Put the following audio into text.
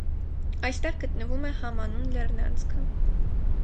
Այստեղ գտնվում է համանուն լեռնանցքը։